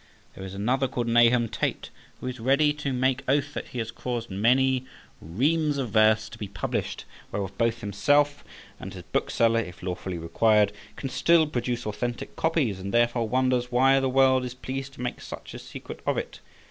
There is another called Nahum Tate, who is ready to make oath that he has caused many reams of verse to be published, whereof both himself and his bookseller, if lawfully required, can still produce authentic copies, and therefore wonders why the world is pleased to make such a secret of it.